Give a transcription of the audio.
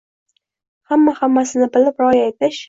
– hamma-hammasini bilib, rioya etish